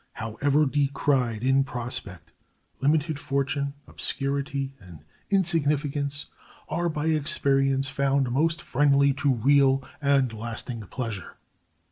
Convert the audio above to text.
However decried in prospect limited fortune, obscurity, and insignificance are, by experience, found most friendly to real and lasting pleasure.